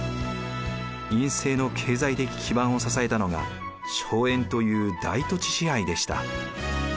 院政の経済的基盤を支えたのが荘園という大土地支配でした。